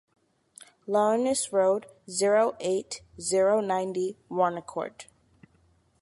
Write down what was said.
Launois road, zero eight, zero ninety Warnécourt